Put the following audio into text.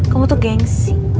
kamu tuh gengsi